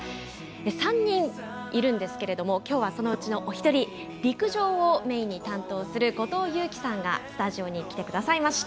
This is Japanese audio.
３人いるんですが今日は、そのうちのお一人陸上をメインに担当する後藤佑季さんがスタジオに来てくださりました。